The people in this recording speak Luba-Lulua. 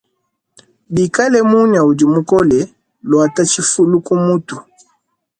Bikale munya udi mukole, luata tshifuli ku mutu.